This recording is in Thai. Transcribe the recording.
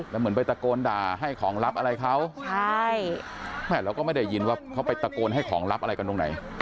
แล้วเหมือนไปตะโกนด่าให้ของลับอะไรเขาใช่แม่เราก็ไม่ได้ยินว่าเขาไปตะโกนให้ของลับอะไรกันตรงไหน